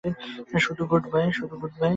শুধু good bye.